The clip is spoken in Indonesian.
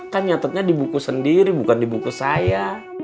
kan nyatanya di buku sendiri bukan di buku saya